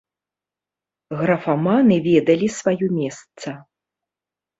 Графаманы ведалі сваё месца.